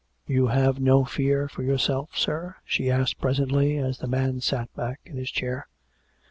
" You have no fear for yourself, sir ?" she asked pres ently, as the man sat back in his chair.